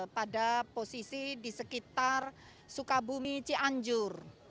pada posisi di sekitar sukabumi cianjur